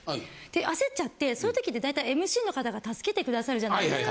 焦っちゃってそういう時って大体ＭＣの方が助けて下さるじゃないですか。